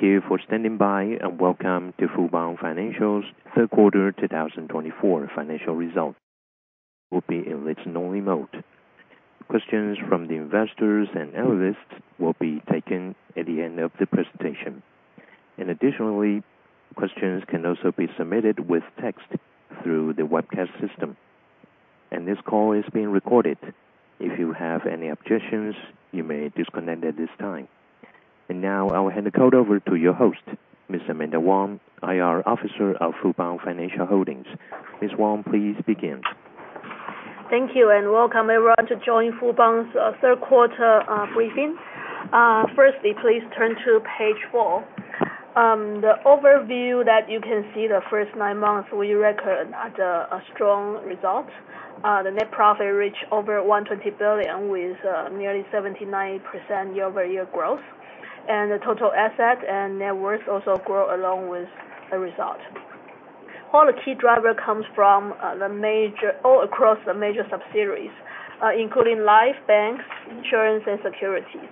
Thank you for standing by, and welcome to Fubon Financial's third quarter 2024 financial results. The call will be in listen-only mode. Questions from the investors and analysts will be taken at the end of the presentation. Additionally, questions can also be submitted with text through the webcast system. This call is being recorded. If you have any objections, you may disconnect at this time. Now I will hand the call over to your host, Ms. Amanda Wang, IR Officer of Fubon Financial Holdings. Ms. Wang, please begin. Thank you and welcome everyone to join Fubon's third quarter briefing. Firstly, please turn to page four. The overview that you can see, the first nine months we record a strong result. The net profit reached over 120 billion with nearly 79% year-over-year growth. And the total asset and net worth also grew along with the result. All the key drivers come from all across the major subsidiaries, including Life, Banks, Insurance, and Securities.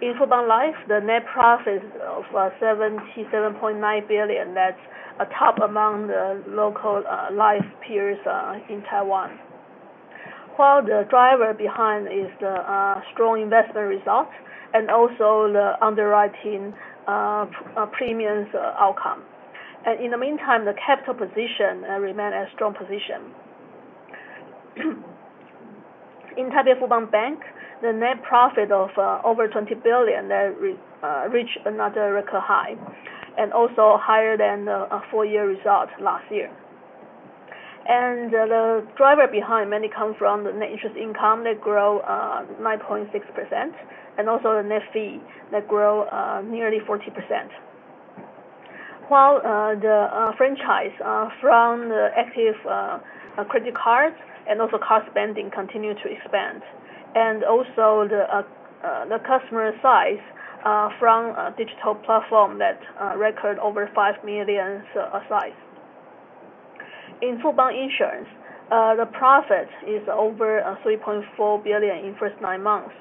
In Fubon Life, the net profit is of 77.9 billion. That's a top among the local Life peers in Taiwan. While the driver behind is the strong investment result and also the underwriting premiums outcome. And in the meantime, the capital position remained a strong position. In Taipei Fubon Bank, the net profit of over 20 billion reached another record high and also higher than the four-year result last year. The driver behind mainly comes from the net interest income that grew 9.6% and also the net fee that grew nearly 40%. While the franchise from the active credit cards and also card spending continued to expand. And also the customer size from digital platform that recorded over five million size. In Fubon Insurance, the profit is over 3.4 billion in the first nine months.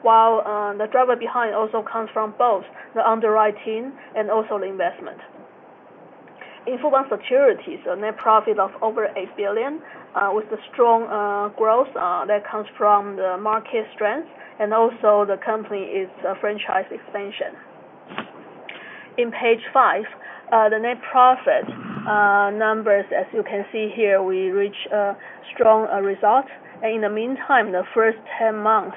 While the driver behind also comes from both the underwriting and also the investment. In Fubon Securities, the net profit of over 8 billion with the strong growth that comes from the market strength and also the company's franchise expansion. On page five, the net profit numbers, as you can see here, we reached a strong result. And in the meantime, the first 10 months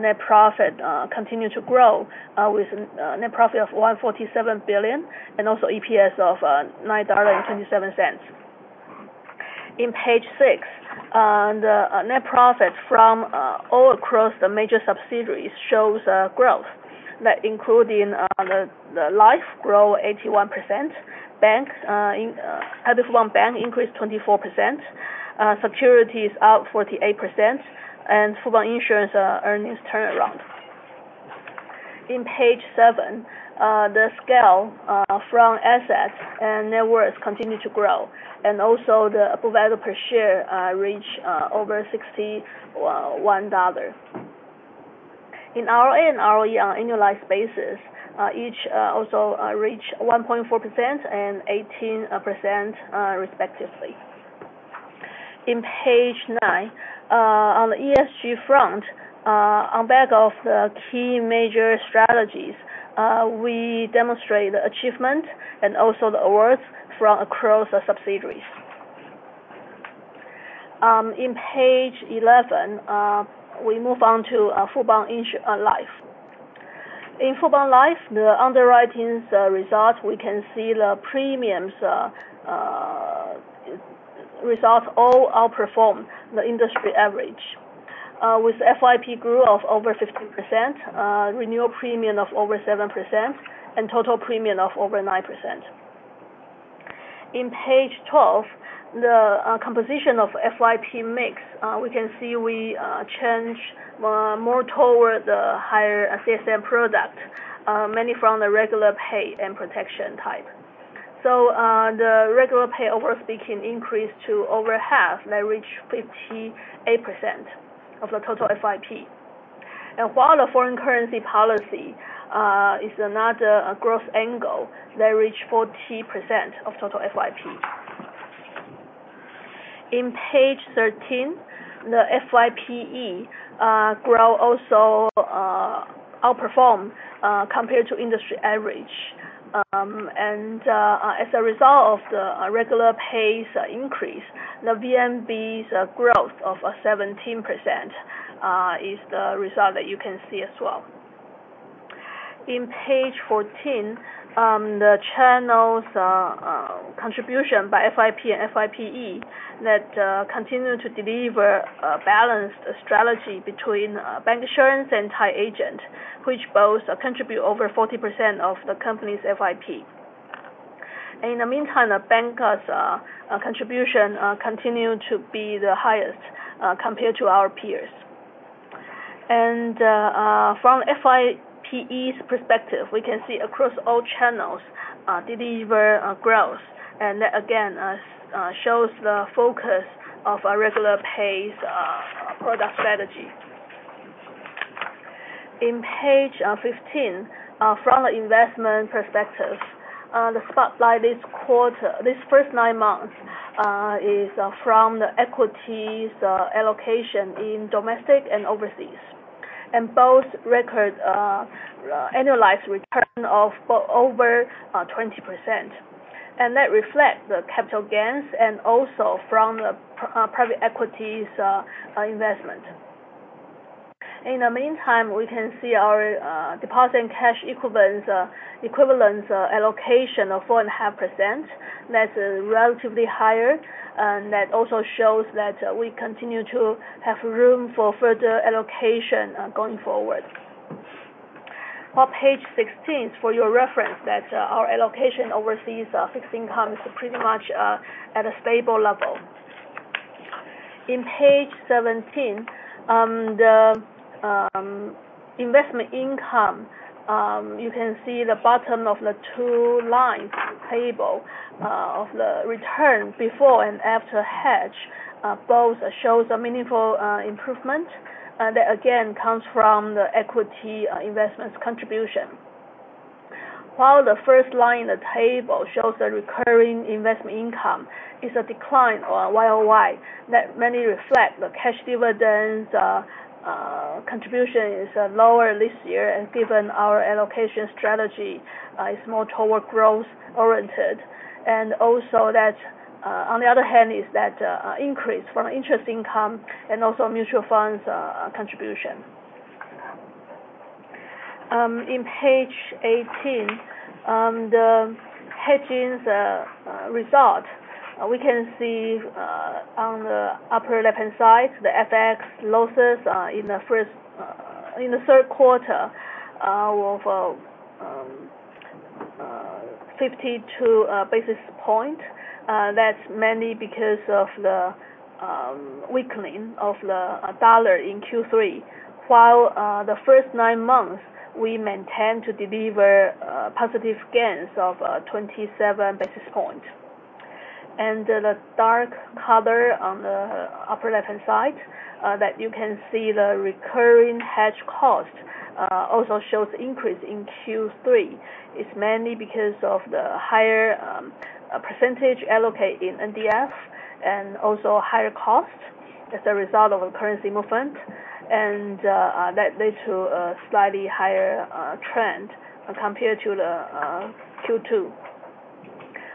net profit continued to grow with a net profit of 147 billion and also EPS of 9.27 dollar. On page six, the net profit from all across the major subsidiaries shows growth, including the Life grew 81%, Taipei Fubon Bank increased 24%, Securities up 48%, and Fubon Insurance earnings turnaround. On page seven, the scale from assets and net worth continued to grow, and also the book value per share reached over 61 dollar. In ROA and ROE on annualized basis, each also reached 1.4% and 18% respectively. On page nine, on the ESG front, on the back of the key major strategies, we demonstrate the achievement and also the awards from across the subsidiaries. On page 11, we move on to Fubon Life. In Fubon Life, the underwriting results, we can see the premiums result all outperform the industry average. With FYP growth of over 15%, renewal premium of over 7%, and total premium of over 9%. On page 12, the composition of FYP mix, we can see we change more toward the higher CSM product, mainly from the regular pay and protection type, so the regular pay overall speaking increased to over half that reached 58% of the total FYP, and while the foreign currency policy is another growth angle that reached 40% of total FYP. On page 13, the FYPE growth also outperformed compared to industry average, and as a result of the regular pay's increase, the VNB's growth of 17% is the result that you can see as well. On page 14, the channel's contribution by FYP and FYPE that continue to deliver a balanced strategy between bancassurance and tied agent, which both contribute over 40% of the company's FYP, and in the meantime, the bank's contribution continued to be the highest compared to our peers. From FYPE's perspective, we can see across all channels deliver growth. That again shows the focus of a regular pay's product strategy. On page 15, from the investment perspective, the spotlight this quarter, this first nine months is from the equities allocation in domestic and overseas. Both record annualized return of over 20%. That reflects the capital gains and also from the private equities investment. In the meantime, we can see our deposit and cash equivalents allocation of 4.5%. That's relatively higher. That also shows that we continue to have room for further allocation going forward. On page 16 is for your reference that our allocation overseas fixed income is pretty much at a stable level. On page 17, the investment income, you can see the bottom of the two lines table of the return before and after hedge both shows a meaningful improvement. That again comes from the equity investment contribution. While the first line in the table shows the recurring investment income is a decline YoY that mainly reflects the cash dividend contribution is lower this year given our allocation strategy is more toward growth oriented. And also that on the other hand is that increase from interest income and also mutual funds contribution. On page 18, the hedging results, we can see on the upper left-hand side, the FX losses in the third quarter of 52 basis points. That's mainly because of the weakening of the dollar in Q3. While the first nine months we maintained to deliver positive gains of 27 basis points. And the dark color on the upper left-hand side that you can see the recurring hedge cost also shows increase in Q3. It's mainly because of the higher percentage allocated in NDF and also higher cost as a result of the currency movement. And that led to a slightly higher trend compared to Q2.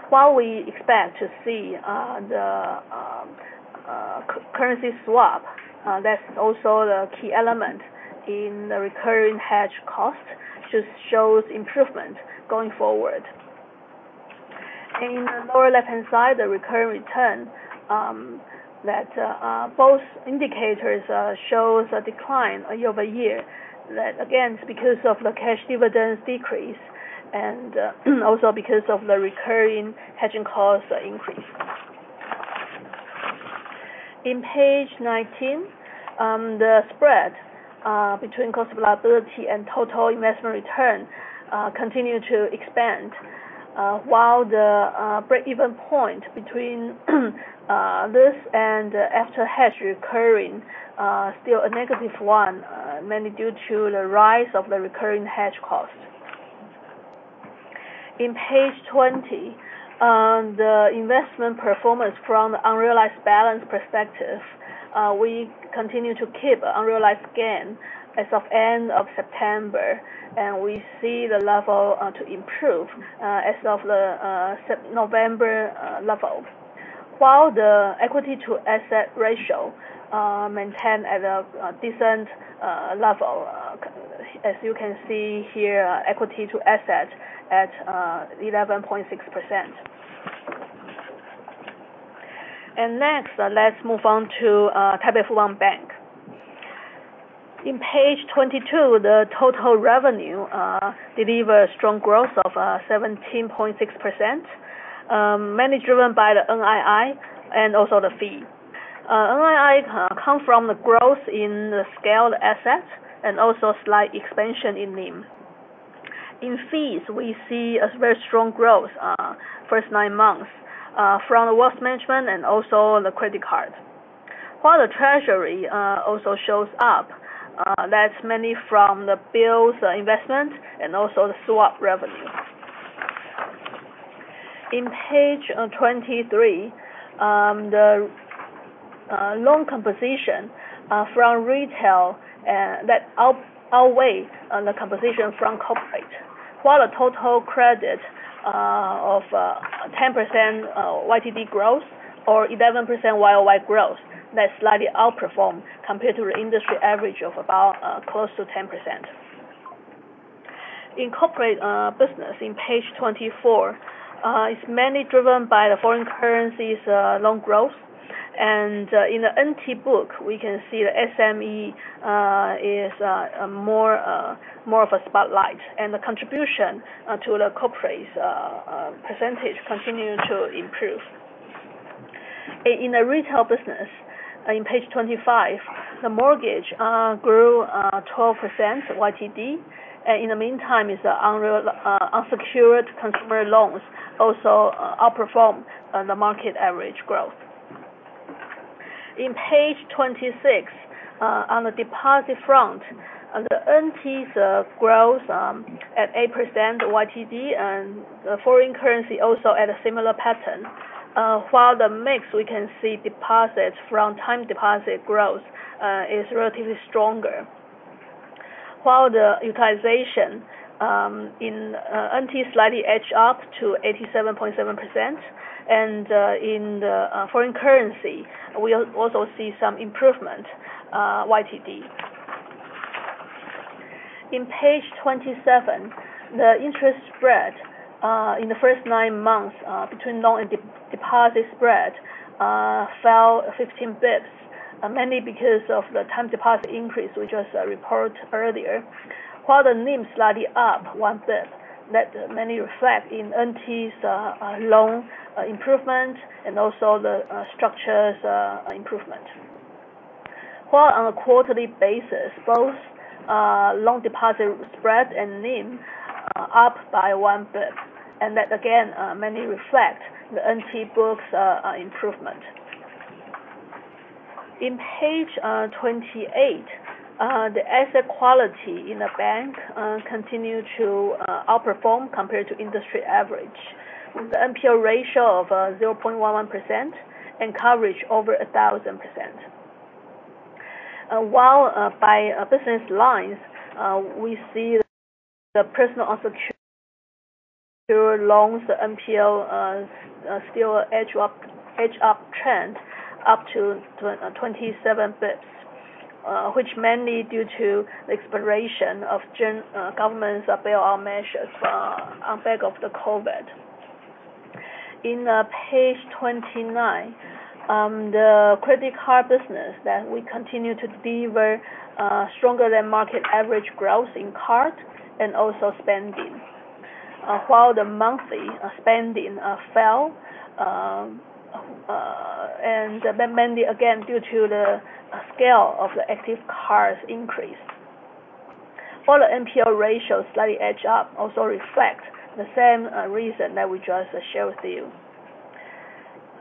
While we expect to see the currency swap, that's also the key element in the recurring hedge cost just shows improvement going forward. In the lower left-hand side, the recurring return that both indicators shows a decline year-over-year. That again is because of the cash dividends decrease and also because of the recurring hedging cost increase. In page 19, the spread between cost of liability and total investment return continued to expand. While the break-even point between this and after hedge recurring still a negative one, mainly due to the rise of the recurring hedge cost. In page 20, the investment performance from the unrealized balance perspective, we continue to keep unrealized gain as of end of September, and we see the level to improve as of the November level. While the equity to asset ratio maintained at a decent level, as you can see here, equity to asset at 11.6%. And next, let's move on to Taipei Fubon Bank. In page 22, the total revenue delivered strong growth of 17.6%, mainly driven by the NII and also the fee. NII comes from the growth in the scaled asset and also slight expansion in NIM. In fees, we see a very strong growth first nine months from the wealth management and also the credit card. While the treasury also shows up, that's mainly from the bills investment and also the swap revenue. In page 23, the loan composition from retail that outweighs the composition from corporate. While the total credit of 10% YTD growth or 11% YOY growth, that's slightly outperformed compared to the industry average of about close to 10%. In corporate business, in page 24, it's mainly driven by the foreign currency's loan growth. And in the NT book, we can see the SME is more of a spotlight. And the contribution to the corporate's percentage continued to improve. In the retail business, in page 25, the mortgage grew 12% YTD. And in the meantime, it's the unsecured consumer loans also outperformed the market average growth. In page 26, on the deposit front, the NT's growth at 8% YTD and the foreign currency also had a similar pattern. While the mix, we can see deposits from time deposit growth is relatively stronger. While the utilization in NT slightly edged up to 87.7%. And in the foreign currency, we also see some improvement YTD. On page 27, the interest spread in the first nine months between loan and deposit spread fell 15 basis points, mainly because of the time deposit increase we just reported earlier. While the NIM slightly up one basis point, that mainly reflects in NT's loan improvement and also the structure's improvement. While on a quarterly basis, both loan deposit spread and NIM up by one basis point. And that again mainly reflects the NT book's improvement. On page 28, the asset quality in the bank continued to outperform compared to industry average. The NPL ratio of 0.11% and coverage over 1,000%. While by business lines, we see the personal unsecured loans, the NPL still edge up trend up to 27 basis points, which mainly due to the expiration of government's bailout measures on back of the COVID. On page 29, the credit card business that we continue to deliver stronger than market average growth in card and also spending. While the monthly spending fell and mainly again due to the scale of the active cards increase. While the NPL ratio slightly edged up, also reflects the same reason that we just shared with you.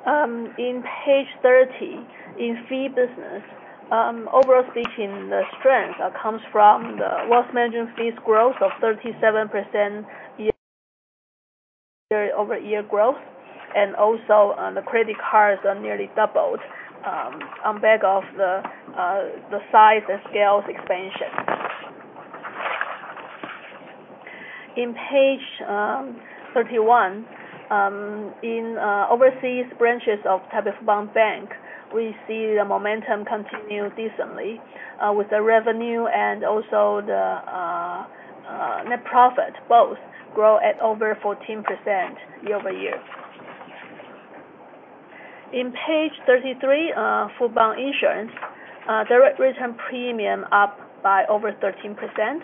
On page 30, in fee business, overall speaking, the strength comes from the wealth management fees growth of 37% year-over- year growth. And also the credit cards are nearly doubled on the back of the size and scale's expansion. On page 31, in overseas branches of Taipei Fubon Bank, we see the momentum continue decently with the revenue and also the net profit both grow at over 14% year-over- year. On page 33, Fubon Insurance, direct written premium up by over 13%.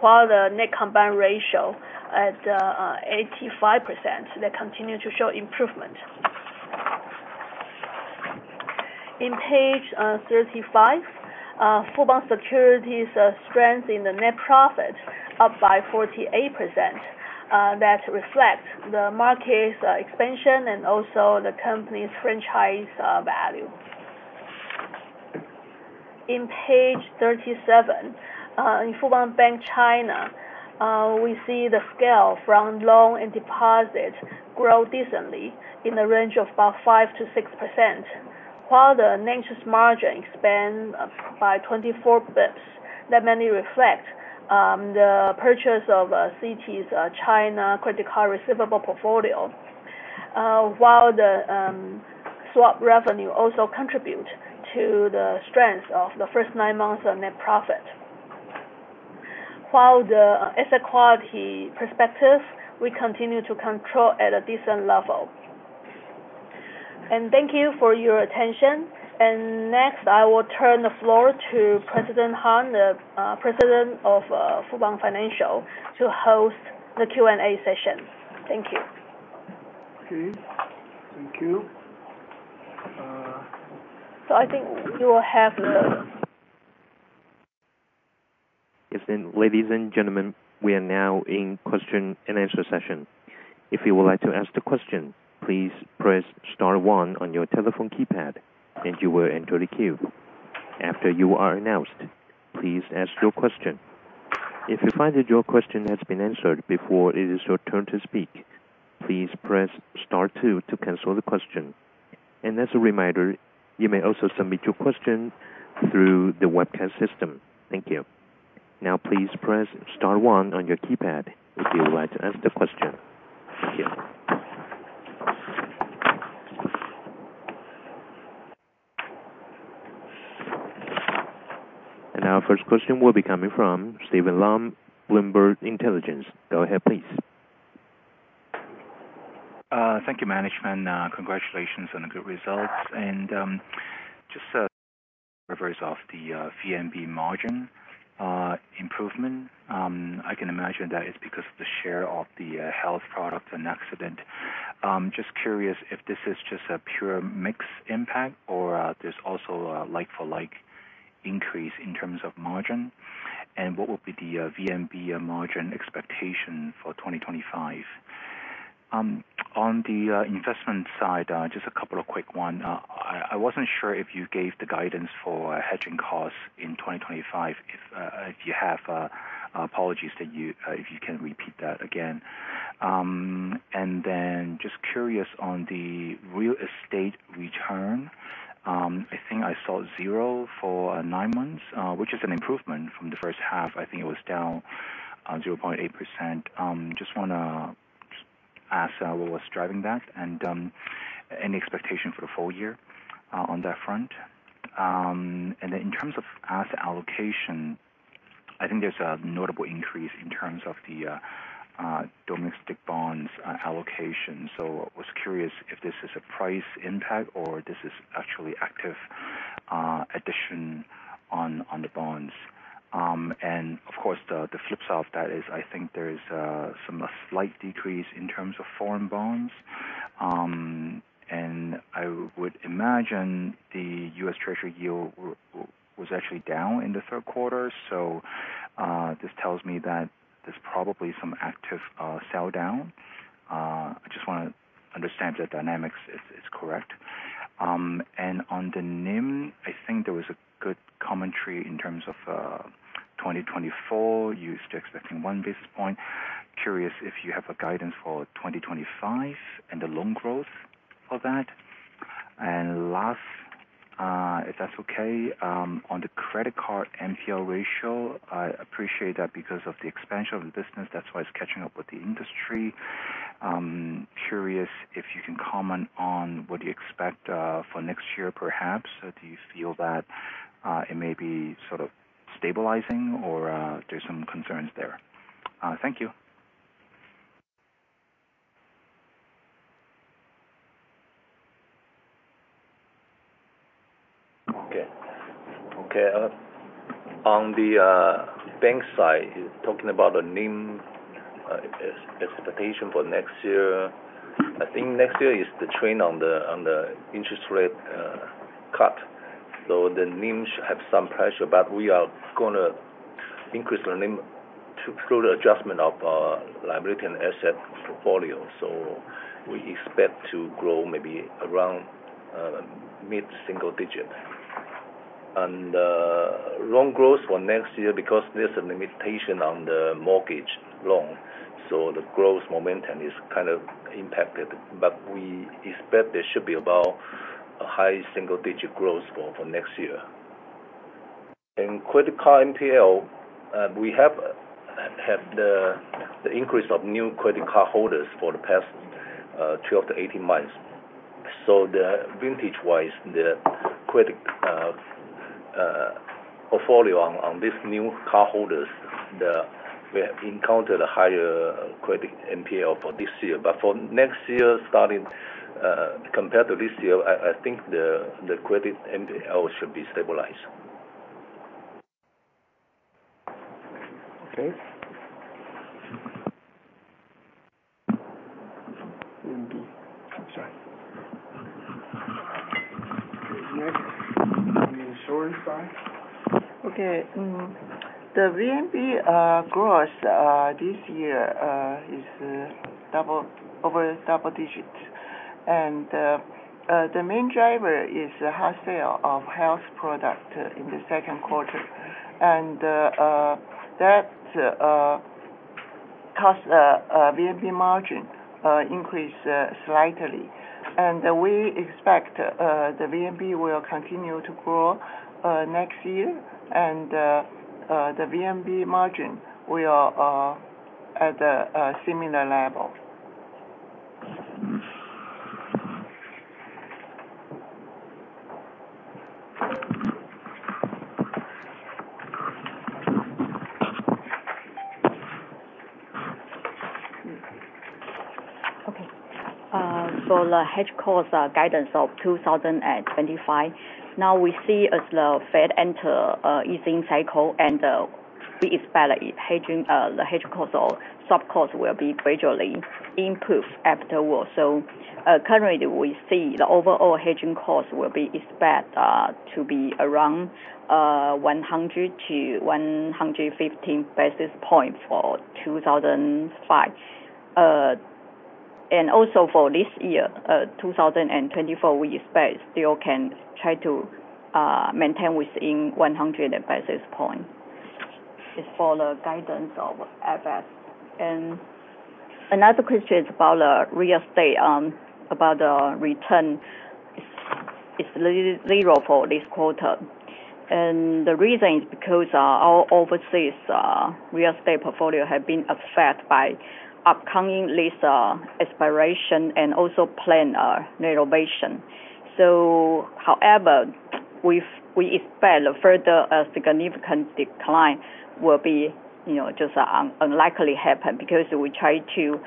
While the net combined ratio at 85%, that continued to show improvement. On page 35, Fubon Securities' strength in the net profit up by 48%. That reflects the market's expansion and also the company's franchise value. On page 37, in Fubon Bank (China), we see the scale from loan and deposit grow decently in the range of about 5%-6%. While the NIM expands by 24 basis points, that mainly reflects the purchase of Citi's China credit card receivable portfolio. While the swap revenue also contributes to the strength of the first nine months of net profit. While the asset quality perspective, we continue to control at a decent level. And thank you for your attention. And next, I will turn the floor to President Harn, the president of Fubon Financial, to host the Q&A session. Thank you. Okay. Thank you. So I think you will have the. Ladies and gentlemen, we are now in question and answer session. If you would like to ask a question, please press star one on your telephone keypad and you will enter the queue. After you are announced, please ask your question. If you find that your question has been answered before it is your turn to speak, please press star two to cancel the question. And as a reminder, you may also submit your question through the webcast system. Thank you. Now, please press star one on your keypad if you would like to ask the question. Thank you. And our first question will be coming from Steven Lam, Bloomberg Intelligence. Go ahead, please. Thank you, management. Congratulations on the good results. And just to clarify the VNB margin improvement, I can imagine that it's because of the share of the health product and accident. Just curious if this is just a pure mix impact or there's also a like-for-like increase in terms of margin. And what would be the VNB margin expectation for 2025? On the investment side, just a couple of quick ones. I wasn't sure if you gave the guidance for hedging costs in 2025 if you have. Apologies if you can repeat that again. And then just curious on the real estate return. I think I saw zero for nine months, which is an improvement from the first half. I think it was down 0.8%. Just want to ask what was driving that and any expectation for the full year on that front. And then in terms of asset allocation, I think there's a notable increase in terms of the domestic bonds allocation. So I was curious if this is a price impact or this is actually active addition on the bonds. And of course, the flip side of that is I think there's some slight decrease in terms of foreign bonds. And I would imagine the U.S. Treasury yield was actually down in the third quarter. So this tells me that there's probably some active sell down. I just want to understand if the dynamics is correct. And on the NIM, I think there was a good commentary in terms of 2024. You're still expecting one basis point. Curious if you have guidance for 2025 and the loan growth for that. And last, if that's okay, on the credit card NPL ratio, I appreciate that because of the expansion of the business. That's why it's catching up with the industry. Curious if you can comment on what you expect for next year, perhaps. Do you feel that it may be sort of stabilizing or there's some concerns there? Thank you. Okay. On the bank side, talking about the NIM expectation for next year, I think next year is the pain of the interest rate cut. So the NIM should have some pressure, but we are going to increase the NIM through the adjustment of liability and asset portfolio. So we expect to grow maybe around mid-single digit. Loan growth for next year, because there's a limitation on the mortgage loan, so the growth momentum is kind of impacted. But we expect there should be about a high single-digit growth for next year. Credit card NPL, we have had the increase of new credit card holders for the past 12-18 months. So vintage-wise, the credit portfolio on these new card holders, we have encountered a higher credit NPL for this year. But for next year, starting compared to this year, I think the credit NPL should be stabilized. Okay. VNB. I'm sorry. Okay. Next, the insurance side. Okay. The VNB growth this year is over double digits, and the main driver is the sale of health products in the second quarter, and that caused VNB margin increase slightly. We expect the VNB will continue to grow next year, and the VNB margin will be at a similar level. Okay. For the hedge cost guidance of 2025, now we see as the Fed enters easing cycle and we expect the hedge cost or swap cost will be gradually improved afterwards. So currently, we see the overall hedging cost will be expected to be around 100-115 basis points for 2025. And also for this year, 2024, we expect still can try to maintain within 100 basis points. It's for the guidance of FS. And another question is about real estate, about the return is zero for this quarter. And the reason is because all overseas real estate portfolio have been affected by upcoming lease expiration and also planned renovation. So however, we expect further significant decline will be just unlikely to happen because we try to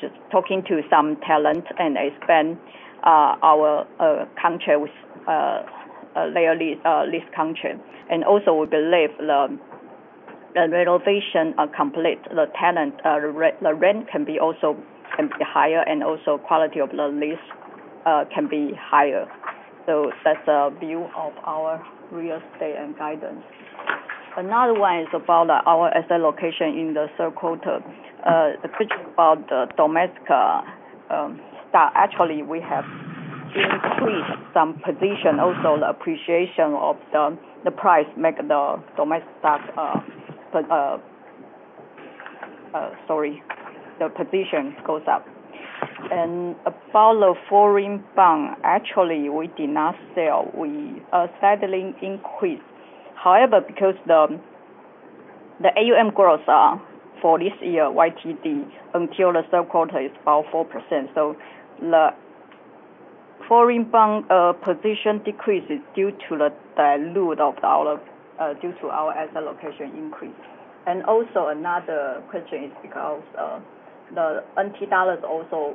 just talking to some tenants and expand our contract with the lessor. And also we believe the renovation complete, the tenant, the rent can be also higher and also quality of the lease can be higher. So that's the view of our real estate and guidance. Another one is about our asset allocation in the third quarter. The question about the domestic stock, actually we have increased some position. Also the appreciation of the price makes the domestic stock, sorry, the position goes up. And about the foreign bond, actually we did not sell. We are slightly increased. However, because the AUM growth for this year, YTD, until the third quarter is about 4%. So the foreign bond position decreases due to the dilution of our asset allocation increase. And also another question is because the NT dollars also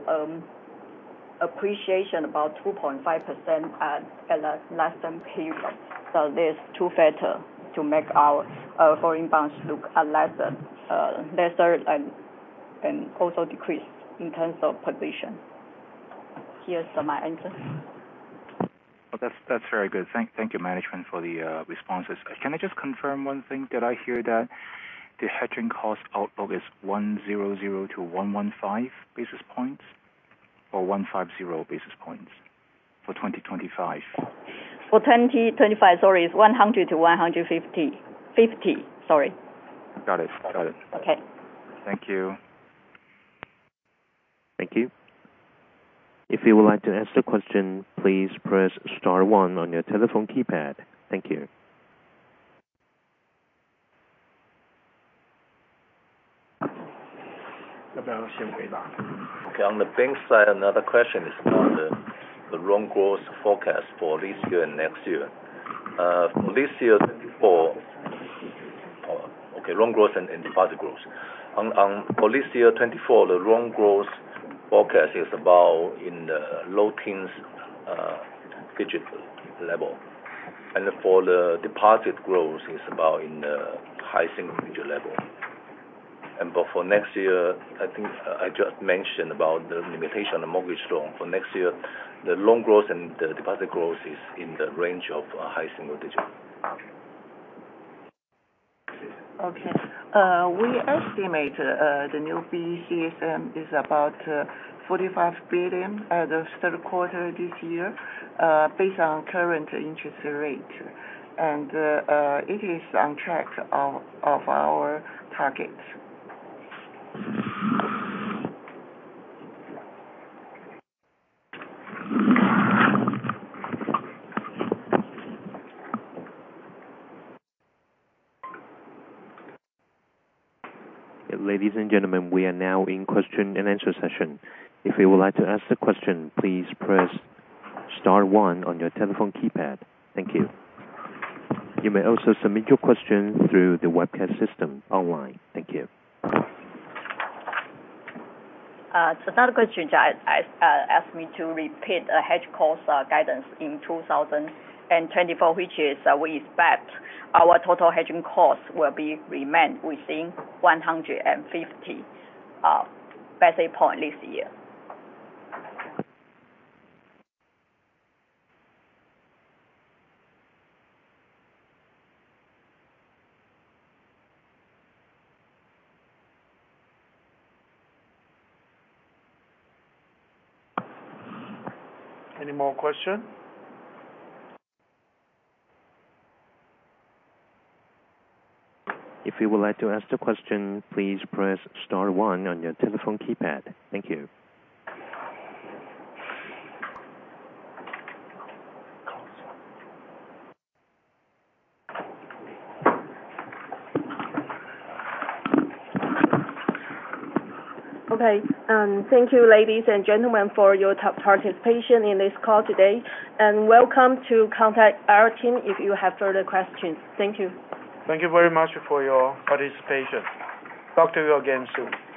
appreciated about 2.5% over the last period. So there's two factors to make our foreign bonds look lesser and also decrease in terms of position. Here's my answer. That's very good. Thank you, management, for the responses. Can I just confirm one thing? Did I hear that the hedging cost outlook is 100-115 basis points or 150 basis points for 2025? For 2025, sorry, it's 100 to 150. 50, sorry. Got it. Got it. Okay. Thank you. Thank you. If you would like to ask a question, please press star one on your telephone keypad. Thank you. Okay. On the bank side, another question is about the loan growth forecast for this year and next year. For this year, 2024, the loan growth forecast is about in the low teens digit level. And for the deposit growth, it's about in the high single digit level. And for next year, I think I just mentioned about the limitation on the mortgage loan. For next year, the loan growth and the deposit growth is in the range of high single digit. Okay. We estimate the new CSM is about 45 billion at the third quarter this year based on current interest rate. And it is on track of our target. Ladies and gentlemen, we are now in question and answer session. If you would like to ask a question, please press star one on your telephone keypad. Thank you. You may also submit your question through the webcast system online. Thank you. Another question asked me to repeat the hedge cost guidance in 2024, which is we expect our total hedging cost will be remained within 150 basis points this year. Any more questions? If you would like to ask a question, please press star one on your telephone keypad. Thank you. Okay. Thank you, ladies and gentlemen, for your participation in this call today, and welcome to contact our team if you have further questions. Thank you. Thank you very much for your participation. Talk to you again soon. Thank you.